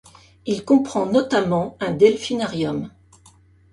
Il comprend notamment un delphinarium.